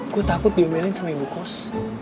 gue takut diumenin sama ibu kos